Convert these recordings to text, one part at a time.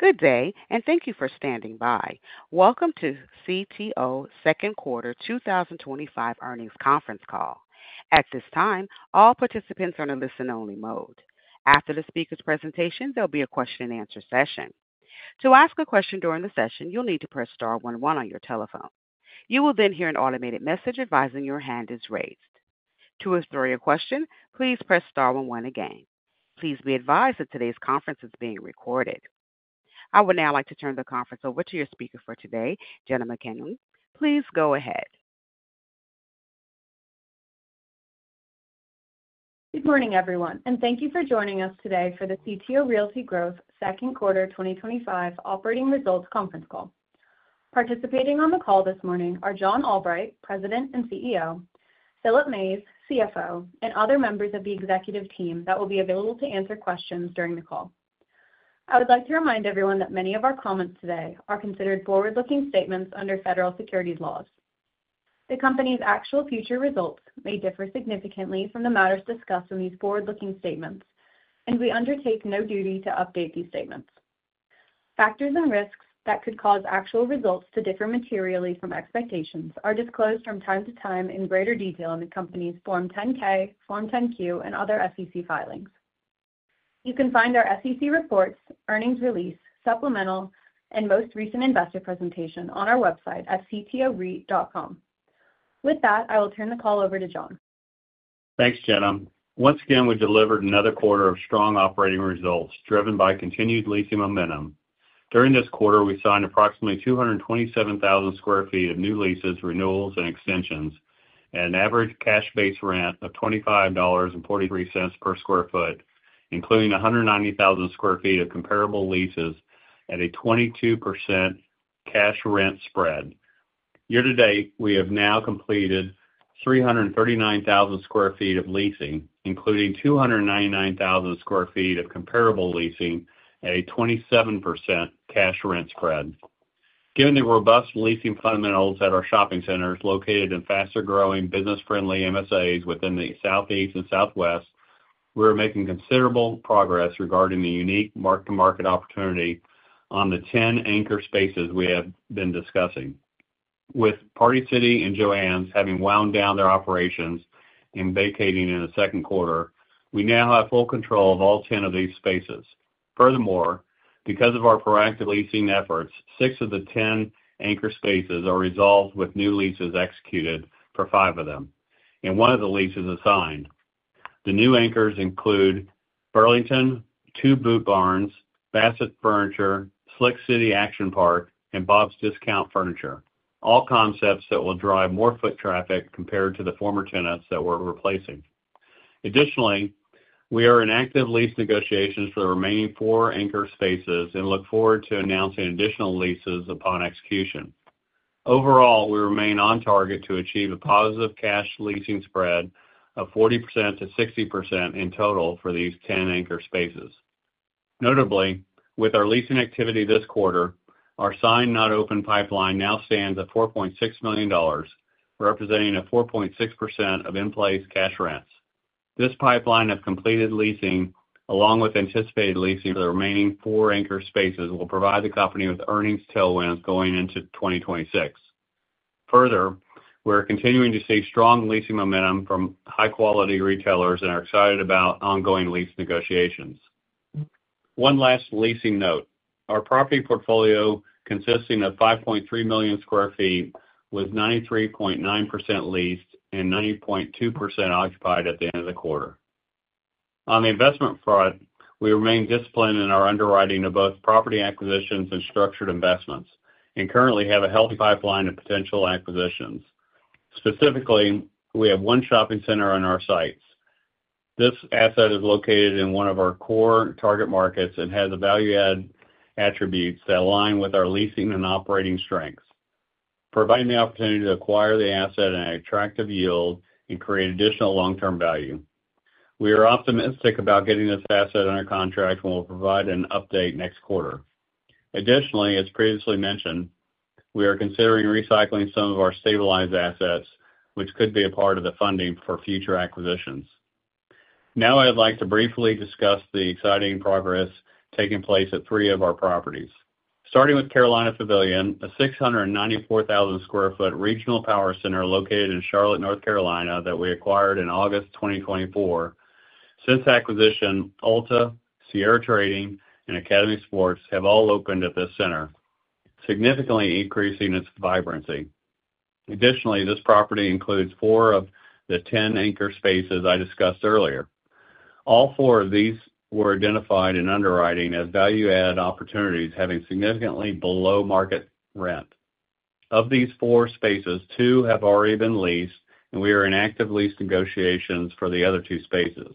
Good day, and thank you for standing by. Welcome to CTO Realty Growth's second quarter 2025 earnings conference call. At this time, all participants are in a listen-only mode. After the speaker's presentation, there'll be a question-and-answer session. To ask a question during the session, you'll need to press star one-one on your telephone. You will then hear an automated message advising your hand is raised. To withdraw your question, please press star one-one again. Please be advised that today's conference is being recorded. I would now like to turn the conference over to your speaker for today, Jenna McKinney. Please go ahead. Good morning, everyone, and thank you for joining us today for the CTO Realty Growth second quarter 2025 operating results conference call. Participating on the call this morning are John Albright, President and CEO, Philip Mays, CFO, and other members of the executive team that will be available to answer questions during the call. I would like to remind everyone that many of our comments today are considered forward-looking statements under federal securities laws. The company's actual future results may differ significantly from the matters discussed in these forward-looking statements, and we undertake no duty to update these statements. Factors and risks that could cause actual results to differ materially from expectations are disclosed from time to time in greater detail in the company's Form 10-K, Form 10-Q, and other SEC filings. You can find our SEC reports, earnings release, supplemental, and most recent investor presentation on our website at ctorealty.com. With that, I will turn the call over to John. Thanks, Jenna. Once again, we delivered another quarter of strong operating results driven by continued leasing momentum. During this quarter, we signed approximately 227,000 square feet of new leases, renewals, and extensions, at an average cash-based rent of $25.43 per square foot, including 190,000 square feet of comparable leases at a 22% cash rent spread. Year to date, we have now completed 339,000 square feet of leasing, including 299,000 square feet of comparable leasing at a 27% cash rent spread. Given the robust leasing fundamentals at our shopping centers located in faster-growing, business-friendly MSAs within the Southeast and Southwest, we are making considerable progress regarding the unique mark-to-market opportunity on the 10 anchor spaces we have been discussing. With Party City and Joann having wound down their operations and vacating in the second quarter, we now have full control of all 10 of these spaces. Furthermore, because of our proactive leasing efforts, six of the 10 anchor spaces are resolved with new leases executed for five of them, and one of the leases is signed. The new anchors include Burlington, two Boot Barns, Bassett Furniture, Slick City Action Park, and Bob’s Discount Furniture, all concepts that will drive more foot traffic compared to the former tenants that we’re replacing. Additionally, we are in active lease negotiations for the remaining four anchor spaces and look forward to announcing additional leases upon execution. Overall, we remain on target to achieve a positive cash leasing spread of 40% to 60% in total for these 10 anchor spaces. Notably, with our leasing activity this quarter, our signed-not-open pipeline now stands at $4.6 million, representing 4.6% of in-place cash rents. This pipeline of completed leasing, along with anticipated leasing for the remaining four anchor spaces, will provide the company with earnings tailwinds going into 2026. Further, we are continuing to see strong leasing momentum from high-quality retailers and are excited about ongoing lease negotiations. One last leasing note: our property portfolio consisting of 5.3 million square feet was 93.9% leased and 90.2% occupied at the end of the quarter. On the investment front, we remain disciplined in our underwriting of both property acquisitions and structured investments and currently have a healthy pipeline of potential acquisitions. Specifically, we have one shopping center on our sites. This asset is located in one of our Core target markets and has a value-add attribute that aligns with our leasing and operating strengths, providing the opportunity to acquire the asset at an attractive yield and create additional long-term value. We are optimistic about getting this asset under contract and will provide an update next quarter. Additionally, as previously mentioned, we are considering recycling some of our stabilized assets, which could be a part of the funding for future acquisitions. Now, I'd like to briefly discuss the exciting progress taking place at three of our properties. Starting with Carolina Pavilion, a 694,000 square foot regional power center located in Charlotte, North Carolina, that we acquired in August 2024. Since acquisition, Ulta, Sierra Trading, and Academy Sports have all opened at this center, significantly increasing its vibrancy. Additionally, this property includes four of the 10 anchor spaces I discussed earlier. All four of these were identified in underwriting as value-add opportunities, having significantly below market rent. Of these four spaces, two have already been leased, and we are in active lease negotiations for the other two spaces.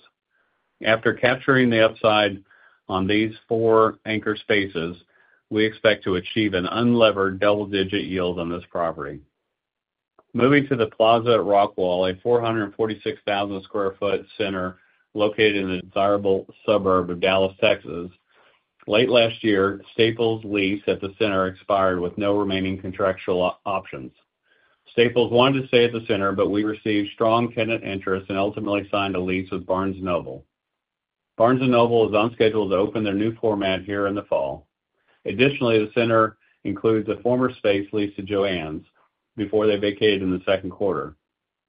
After capturing the upside on these four anchor spaces, we expect to achieve an unlevered double-digit yield on this property. Moving to the Plaza Rockwall, a 446,000 square foot center located in the desirable suburb of Dallas, Texas. Late last year, Staples' lease at the center expired with no remaining contractual options. Staples wanted to stay at the center, but we received strong tenant interest and ultimately signed a lease with Barnes & Noble. Barnes & Noble is on schedule to open their new format here in the fall. Additionally, the center includes a former space leased to Joann before they vacated in the second quarter.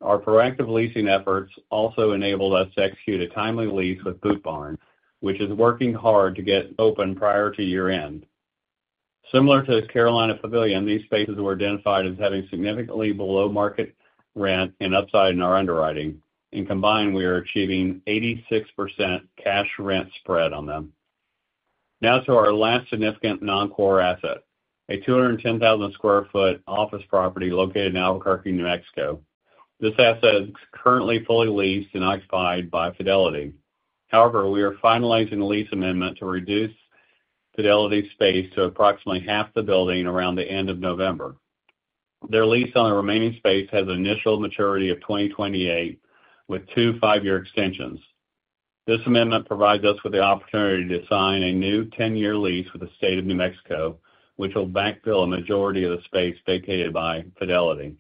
Our proactive leasing efforts also enabled us to execute a timely lease with Boot Barn, which is working hard to get open prior to year-end. Similar to the Carolina Pavilion, these spaces were identified as having significantly below market rent and upside in our underwriting. Combined, we are achieving an 86% cash rent spread on them. Now to our last significant non-Core asset, a 210,000 square foot office property located in Albuquerque, New Mexico. This asset is currently fully leased and occupied by Fidelity. However, we are finalizing a lease amendment to reduce Fidelity's space to approximately half the building around the end of November. Their lease on the remaining space has an initial maturity of 2028 with two five-year extensions. This amendment provides us with the opportunity to sign a new 10-year lease with the State of New Mexico, which will backfill a majority of the space vacated by Fidelity.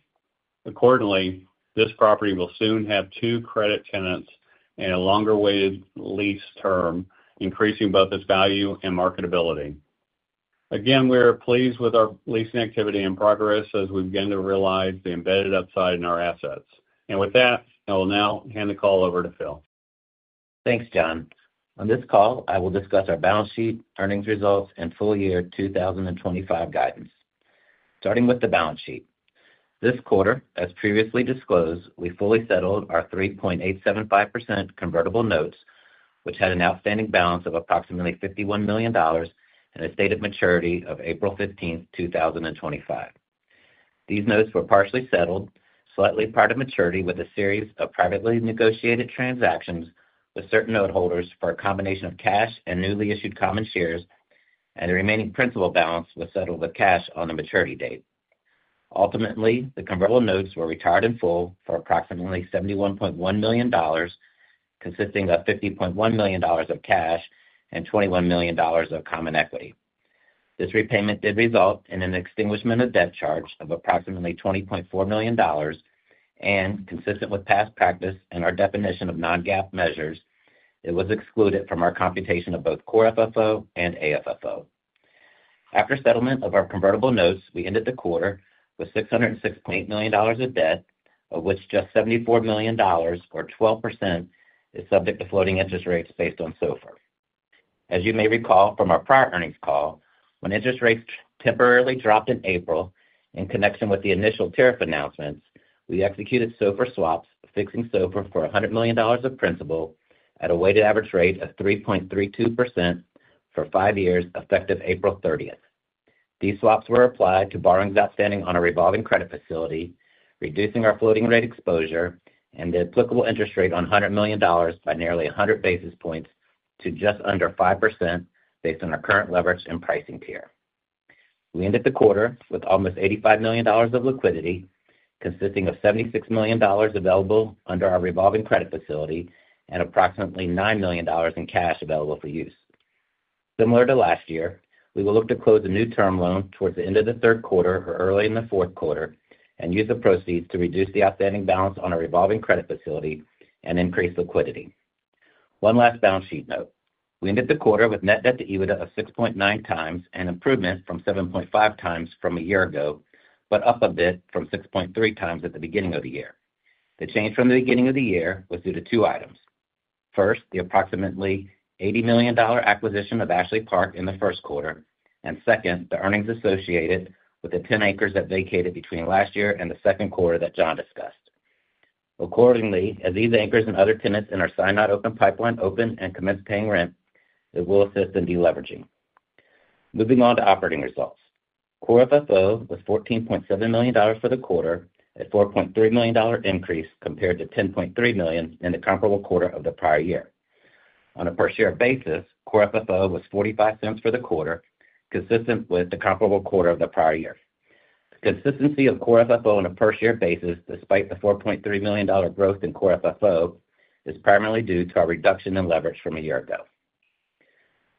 Accordingly, this property will soon have two credit tenants and a longer weighted lease term, increasing both its value and marketability. We are pleased with our leasing activity and progress as we begin to realize the embedded upside in our assets. With that, I will now hand the call over to Phil. Thanks, John. On this call, I will discuss our balance sheet, earnings results, and full-year 2025 guidance. Starting with the balance sheet, this quarter, as previously disclosed, we fully settled our 3.875% convertible notes, which had an outstanding balance of approximately $51 million and a date of maturity of April 15, 2025. These notes were partially settled, slightly prior to maturity, with a series of privately negotiated transactions with certain noteholders for a combination of cash and newly issued common shares, and the remaining principal balance was settled with cash on the maturity date. Ultimately, the convertible notes were retired in full for approximately $71.1 million, consisting of $50.1 million of cash and $21 million of common equity. This repayment did result in an extinguishment of debt charge of approximately $20.4 million, and consistent with past practice and our definition of non-GAAP measures, it was excluded from our computation of both Core FFO and AFFO. After settlement of our convertible notes, we ended the quarter with $606.8 million of debt, of which just $74 million, or 12%, is subject to floating interest rates based on SOFR. As you may recall from our prior earnings call, when interest rates temporarily dropped in April in connection with the initial tariff announcements, we executed SOFR swaps, fixing SOFR for $100 million of principal at a weighted average rate of 3.32% for five years effective April 30. These swaps were applied to borrowings outstanding on a revolving credit facility, reducing our floating rate exposure and the applicable interest rate on $100 million by nearly 100 basis points to just under 5% based on our current leverage and pricing tier. We ended the quarter with almost $85 million of liquidity, consisting of $76 million available under our revolving credit facility and approximately $9 million in cash available for use. Similar to last year, we will look to close a new term loan towards the end of the third quarter or early in the fourth quarter and use the proceeds to reduce the outstanding balance on a revolving credit facility and increase liquidity. One last balance sheet note: we ended the quarter with net debt to EBITDA of 6.9 times, an improvement from 7.5 times from a year ago, but up a bit from 6.3 times at the beginning of the year. The change from the beginning of the year was due to two items. First, the approximately $80 million acquisition of Ashley Park in the first quarter, and second, the earnings associated with the 10 acres that vacated between last year and the second quarter that John discussed. Accordingly, as these acres and other tenants in our signed-not-open pipeline open and commence paying rent, it will assist in deleveraging. Moving on to operating results, Core FFO was $14.7 million for the quarter, a $4.3 million increase compared to $10.3 million in the comparable quarter of the prior year. On a per-share basis, Core FFO was $0.45 for the quarter, consistent with the comparable quarter of the prior year. The consistency of Core FFO on a per-share basis, despite the $4.3 million growth in Core FFO, is primarily due to our reduction in leverage from a year ago.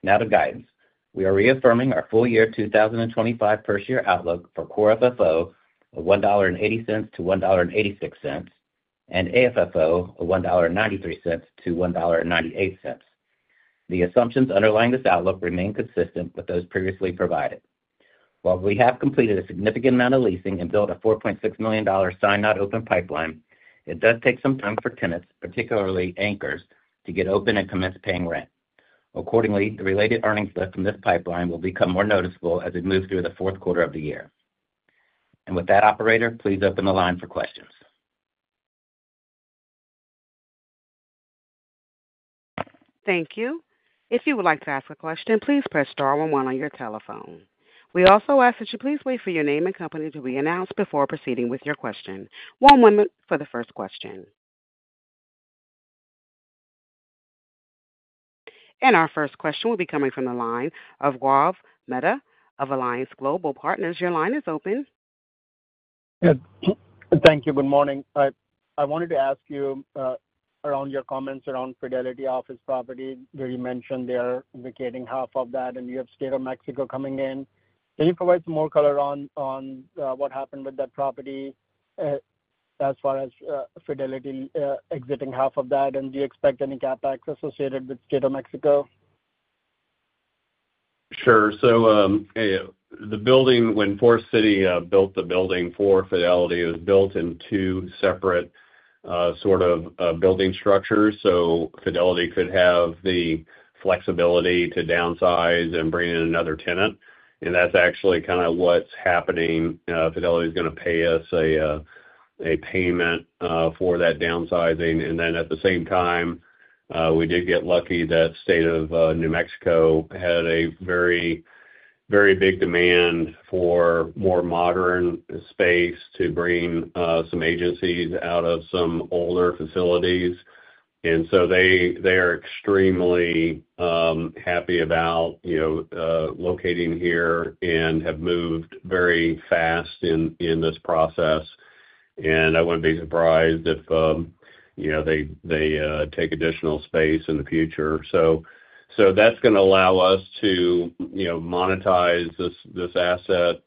Now to guidance, we are reaffirming our full-year 2025 per-share outlook for Core FFO of $1.80 to $1.86 and AFFO of $1.93 to $1.98. The assumptions underlying this outlook remain consistent with those previously provided. While we have completed a significant amount of leasing and built a $4.6 million signed-not-open pipeline, it does take some time for tenants, particularly anchors, to get open and commence paying rent. Accordingly, the related earnings lift in this pipeline will become more noticeable as we move through the fourth quarter of the year. With that, operator, please open the line for questions. Thank you. If you would like to ask a question, please press *11 on your telephone. We also ask that you please wait for your name and company to be announced before proceeding with your question. One moment for the first question. Our first question will be coming from the line of Gaurav Mehta of Alliance Global Partners. Your line is open. Thank you. Good morning. I wanted to ask you around your comments around the Fidelity office property, where you mentioned they are vacating half of that and you have the State of New Mexico coming in. Can you provide some more color on what happened with that property as far as Fidelity exiting half of that, and do you expect any CapEx associated with the State of New Mexico? Sure. The building, when Forest City built the building for Fidelity, was built in two separate sort of building structures. Fidelity could have the flexibility to downsize and bring in another tenant. That's actually kind of what's happening. Fidelity is going to pay us a payment for that downsizing. At the same time, we did get lucky that State of New Mexico had a very, very big demand for more modern space to bring some agencies out of some older facilities. They are extremely happy about locating here and have moved very fast in this process. I wouldn't be surprised if they take additional space in the future. That's going to allow us to monetize this asset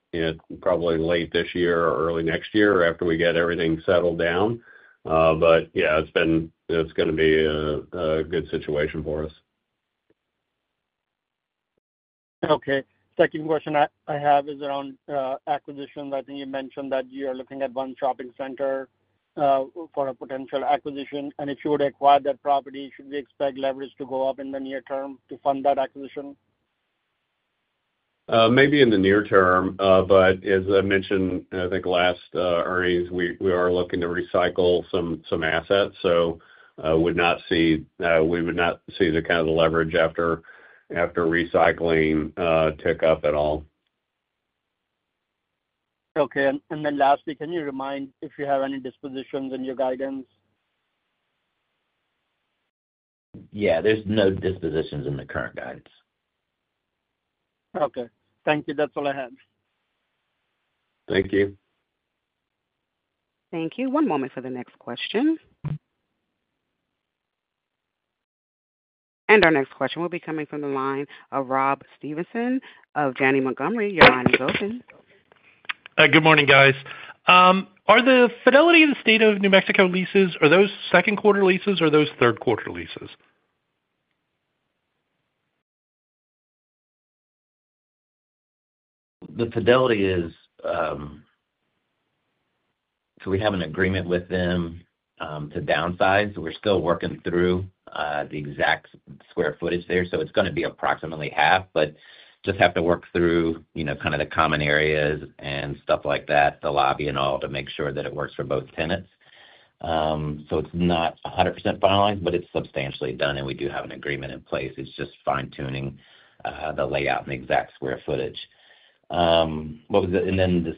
probably late this year or early next year after we get everything settled down. It's been, it's going to be a good situation for us. Okay. Second question I have is around acquisitions. I think you mentioned that you are looking at one shopping center for a potential acquisition. If you were to acquire that property, should we expect leverage to go up in the near term to fund that acquisition? Maybe in the near term. As I mentioned, I think last earnings, we are looking to recycle some assets. We would not see the leverage after recycling tick up at all. Okay. Lastly, can you remind if you have any dispositions in your guidance? There's no dispositions in the current guidance. Okay, thank you. That's all I had. Thank you. Thank you. One moment for the next question. Our next question will be coming from the line of Rob Stevenson of Janney Montgomery. Your line is open. Good morning, guys. Are the Fidelity and State of New Mexico leases, are those second quarter leases or are those third quarter leases? Fidelity is, so we have an agreement with them to downsize. We're still working through the exact square footage there. It's going to be approximately half, but just have to work through, you know, kind of the common areas and stuff like that, the lobby and all to make sure that it works for both tenants. It's not 100% finalized, but it's substantially done, and we do have an agreement in place. It's just fine-tuning the layout and the exact square footage. The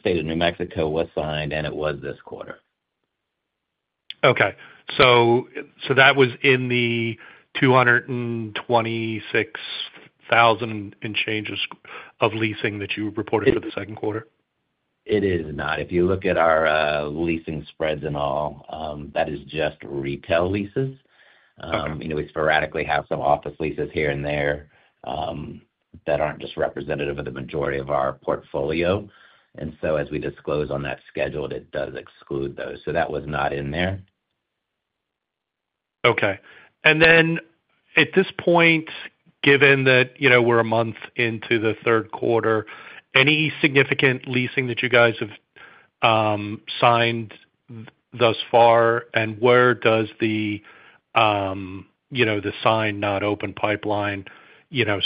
State of New Mexico was signed, and it was this quarter. Okay. That was in the 226,000 and change of leasing that you reported for the second quarter? It is not. If you look at our leasing spreads and all, that is just retail leases. We sporadically have some office leases here and there that aren't just representative of the majority of our portfolio. As we disclose on that schedule, it does exclude those. That was not in there. Okay. At this point, given that we're a month into the third quarter, any significant leasing that you guys have signed thus far, and where does the signed-not-open pipeline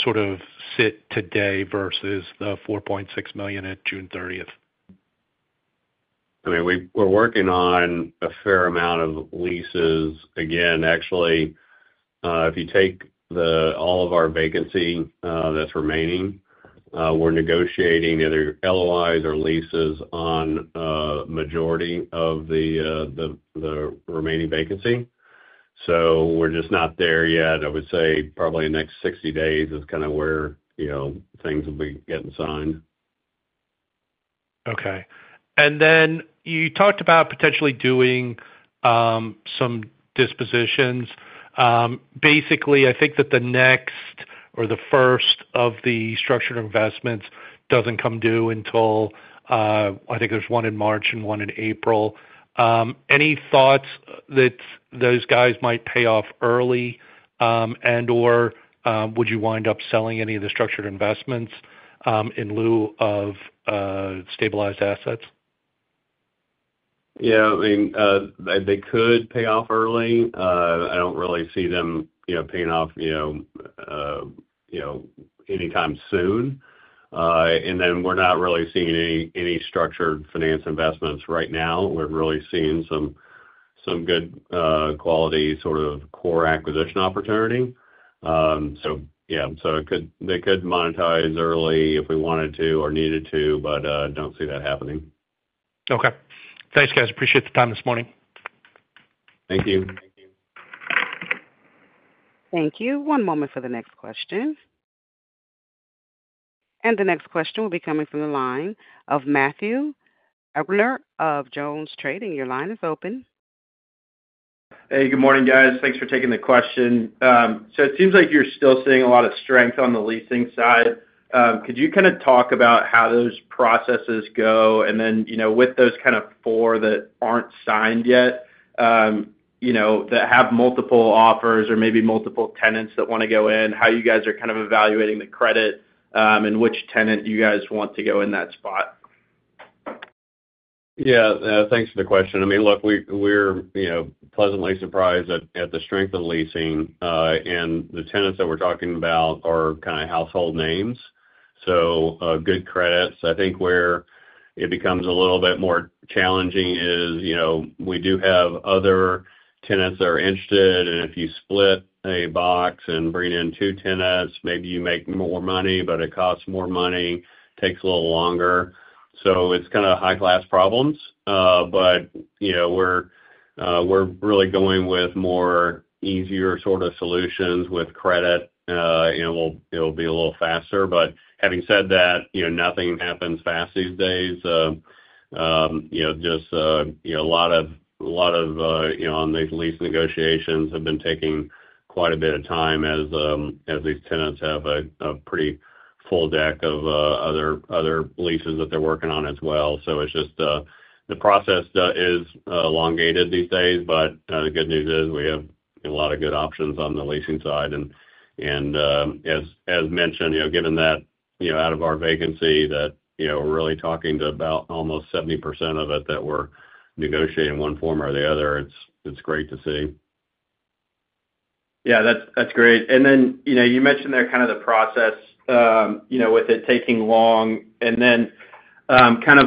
sort of sit today versus the $4.6 million at June 30th? We're working on a fair amount of leases. Actually, if you take all of our vacancy that's remaining, we're negotiating either LOIs or leases on a majority of the remaining vacancy. We're just not there yet. I would say probably in the next 60 days is kind of where things will be getting signed. Okay. You talked about potentially doing some dispositions. I think that the next or the first of the structured investments doesn't come due until, I think there's one in March and one in April. Any thoughts that those guys might pay off early and/or would you wind up selling any of the structured investments in lieu of stabilized assets? I mean, they could pay off early. I don't really see them paying off anytime soon. We're not really seeing any structured finance investments right now. We've really seen some good quality sort of Core acquisition opportunity. They could monetize early if we wanted to or needed to, but I don't see that happening. Okay, thanks, guys. Appreciate the time this morning. Thank you. Thank you. One moment for the next question. The next question will be coming from the line of Matthew Erdner of Jones Trading. Your line is open. Hey, good morning, guys. Thanks for taking the question. It seems like you're still seeing a lot of strength on the leasing side. Could you kind of talk about how those processes go? With those kind of four that aren't signed yet, that have multiple offers or maybe multiple tenants that want to go in, how you guys are kind of evaluating the credit and which tenant you guys want to go in that spot? Thanks for the question. I mean, look, we're pleasantly surprised at the strength of leasing. The tenants that we're talking about are kind of household names, so good credits. I think where it becomes a little bit more challenging is we do have other tenants that are interested. If you split a box and bring in two tenants, maybe you make more money, but it costs more money and takes a little longer. It's kind of high-class problems, but we're really going with more easier sort of solutions with credit. It'll be a little faster. Having said that, nothing happens fast these days. A lot of these lease negotiations have been taking quite a bit of time as these tenants have a pretty full deck of other leases that they're working on as well. It's just the process that is elongated these days. The good news is we have a lot of good options on the leasing side, and as mentioned, given that out of our vacancy we're really talking to about almost 70% of it that we're negotiating one form or the other, it's great to see. That's great. You mentioned there kind of the process, you know, with it taking long.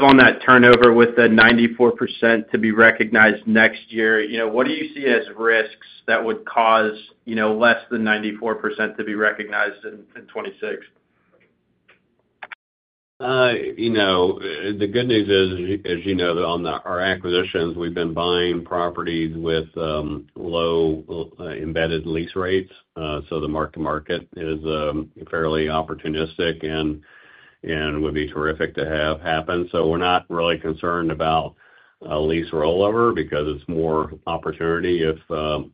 On that turnover with the 94% to be recognized next year, what do you see as risks that would cause less than 94% to be recognized in 2026? The good news is, as you know, on our acquisitions, we've been buying properties with low embedded lease rates. The mark-to-market is fairly opportunistic and would be terrific to have happen. We're not really concerned about a lease rollover because it's more opportunity if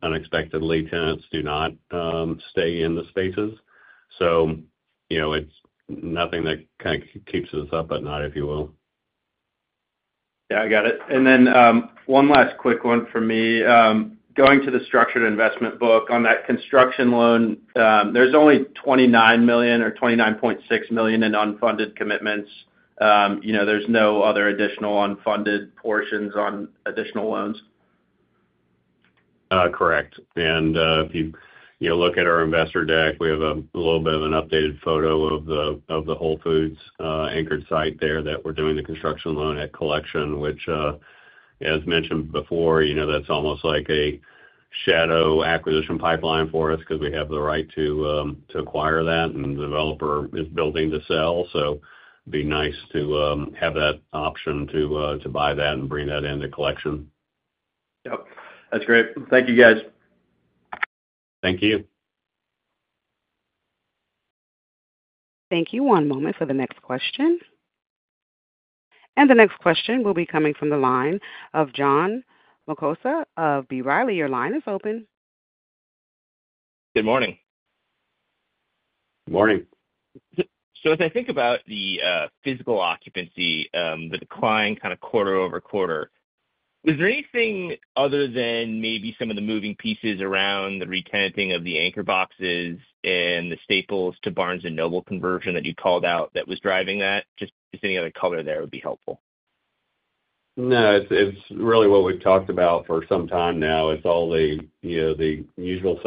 unexpectedly tenants do not stay in the spaces. It's nothing that kind of keeps us up at night, if you will. I got it. One last quick one from me. Going to the structured investment book on that construction loan, there's only $29 million or $29.6 million in unfunded commitments. There's no other additional unfunded portions on additional loans. Correct. If you look at our investor deck, we have a little bit of an updated photo of the Whole Foods-anchored site there that we're doing the construction loan at Collection, which, as mentioned before, is almost like a shadow acquisition pipeline for us because we have the right to acquire that and the developer is building to sell. It would be nice to have that option to buy that and bring that into Collection. Yep, that's great. Thank you, guys. Thank you. Thank you. One moment for the next question. The next question will be coming from the line of John Massocca of B. Riley. Your line is open. Good morning. Morning. As I think about the physical occupancy, the decline kind of quarter over quarter, is there anything other than maybe some of the moving pieces around the re-tenanting of the anchor boxes and the Staples to Barnes & Noble conversion that you called out that was driving that? Any other color there would be helpful. No, it's really what we've talked about for some time now. It's all the usual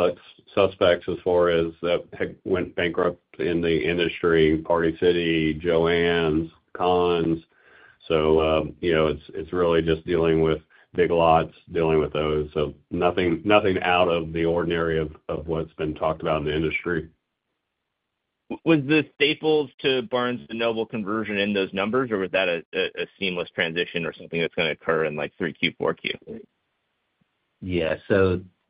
suspects as far as that went bankrupt in the industry: Party City, Joann, Conn's. It's really just dealing with Big Lots, dealing with those. Nothing out of the ordinary of what's been talked about in the industry. Was the Staples to Barnes & Noble conversion in those numbers, or was that a seamless transition or something that's going to occur in like 3Q, 4Q?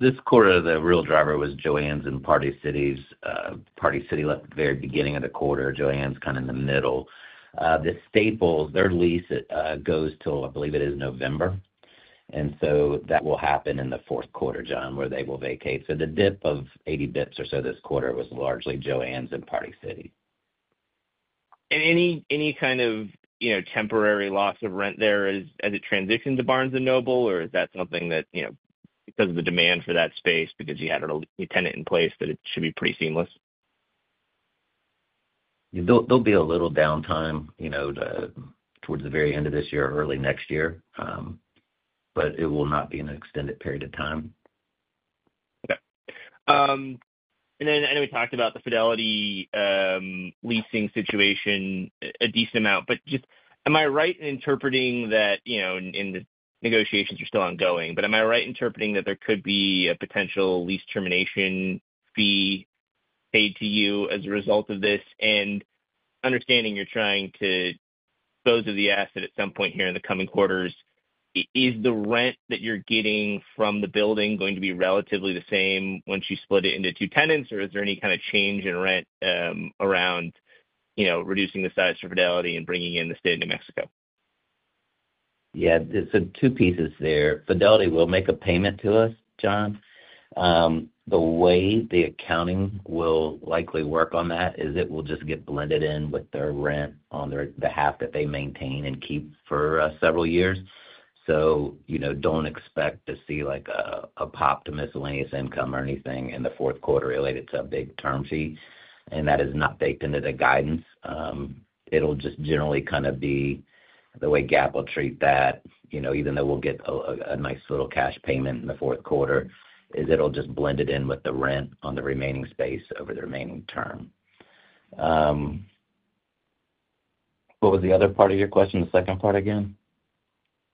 This quarter, the real driver was Joann and Party City. Party City left at the very beginning of the quarter. Joann, kind of in the middle. The Staples, their lease goes till, I believe it is November, and that will happen in the fourth quarter, John, where they will vacate. The dip of 80 bps or so this quarter was largely Joann and Party City. Is there any kind of temporary loss of rent there as it transitions to Barnes & Noble, or is that something that, because of the demand for that space and because you had a new tenant in place, it should be pretty seamless? There'll be a little downtime towards the very end of this year, early next year, but it will not be an extended period of time. Okay. I know we talked about the Fidelity leasing situation a decent amount, but am I right in interpreting that, in the negotiations are still ongoing, but am I right in interpreting that there could be a potential lease termination fee paid to you as a result of this? Understanding you're trying to close the asset at some point here in the coming quarters, is the rent that you're getting from the building going to be relatively the same once you split it into two tenants, or is there any kind of change in rent around reducing the size for Fidelity and bringing in the State of New Mexico? Two pieces there. Fidelity will make a payment to us, John. The way the accounting will likely work on that is it will just get blended in with their rent on their behalf that they maintain and keep for several years. Do not expect to see like a pop to miscellaneous income or anything in the fourth quarter related to a big term sheet. That is not baked into the guidance. It will just generally kind of be the way GAAP will treat that, even though we'll get a nice little cash payment in the fourth quarter, it will just blend it in with the rent on the remaining space over the remaining term. What was the other part of your question, the second part again?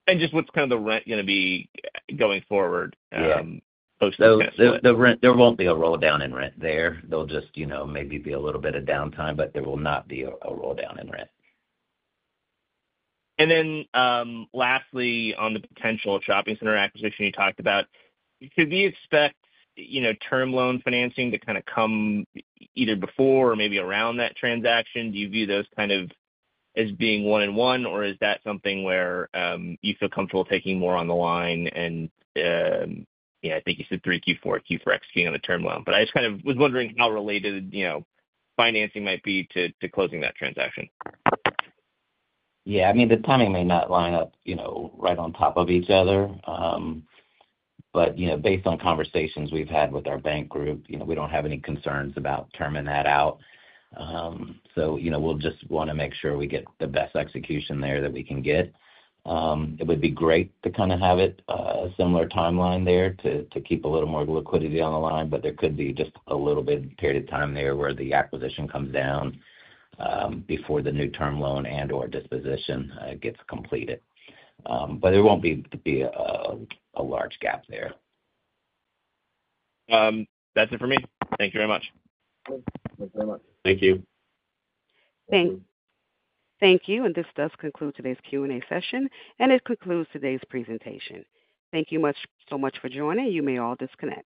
What is kind of the rent going to be going forward? The rent, there won't be a roll-down in rent there. There'll just maybe be a little bit of downtime, but there will not be a roll-down in rent. Lastly, on the potential shopping center acquisition you talked about, could we expect term loan financing to come either before or maybe around that transaction? Do you view those as being one-on-one, or is that something where you feel comfortable taking more on the line? I think you said 3Q, 4Q for executing on the term loan. I was just wondering how related financing might be to closing that transaction. I mean, the timing may not line up right on top of each other. Based on conversations we've had with our bank group, we don't have any concerns about terming that out. We just want to make sure we get the best execution there that we can get. It would be great to kind of have a similar timeline there to keep a little more liquidity on the line, but there could be just a little bit of a period of time where the acquisition comes down before the new term loan and/or disposition gets completed. There won't be a large gap there. That's it for me. Thank you very much. Thank you very much. Thank you. This does conclude today's Q&A session, and it concludes today's presentation. Thank you so much for joining. You may all disconnect.